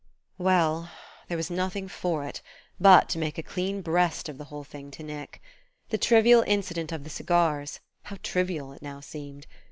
Well there was nothing for it but to make a clean breast of the whole thing to Nick. The trivial incident of the cigars how trivial it now seemed!